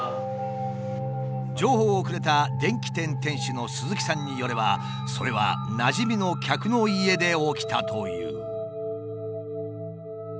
情報をくれた電気店店主の鈴木さんによればそれはなじみの客の家で起きたという。